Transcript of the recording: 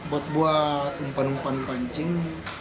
untuk membuat umpan umpan pancing